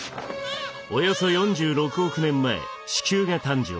およそ４６億年前地球が誕生。